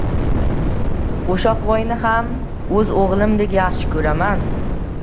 Qo‘shoqvoyni ham o‘z o‘g‘limdek yaxshi ko‘raman.